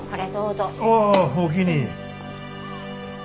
ああおおきに。